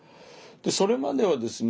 それまではですね